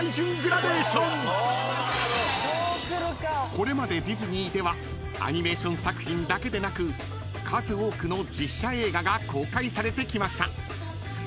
［これまでディズニーではアニメーション作品だけでなく数多くの実写映画が公開されてきました］